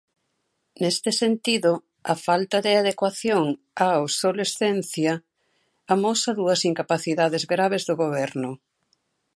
Neste sentido, a falta de adecuación á obsolescencia amosa dúas incapacidades graves do goberno.